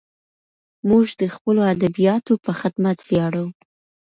موږ د خپلو ادیبانو په خدمت ویاړو.